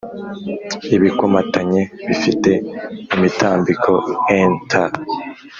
ibikomatanye bifite imitambiko n' T